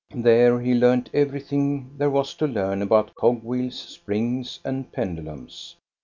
There he learned eyerything there was to learn about cog wheels, springs, and pendulums.